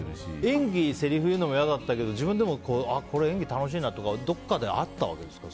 演技、せりふ言うのも嫌だったけど自分でも演技楽しいなとかどこかであったんですか？